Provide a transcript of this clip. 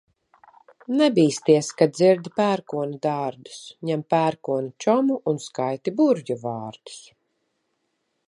Nebīsties, kad dzirdi pērkona dārdus, ņem pērkona čomu un skaiti burvju vārdus.